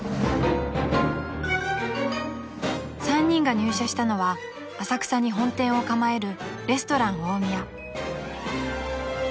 ［３人が入社したのは浅草に本店を構えるレストラン大宮］